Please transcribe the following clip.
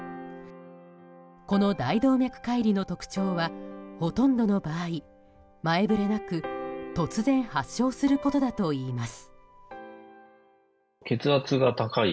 この大動脈解離の特徴はほとんどの場合、前触れなく突然発症することだといいます。